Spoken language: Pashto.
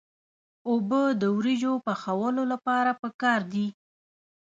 اوبه د وریجو پخولو لپاره پکار دي.